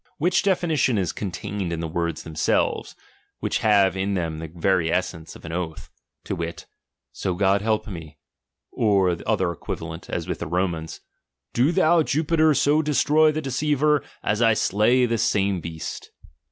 Which "f " definition is contained in the words themselves, which have in them the very essence of an oath, to wit, so God help me, or other equivalent, as with the Romans, do thou t/upiter so destroy the deceiver, as I slay this same beast.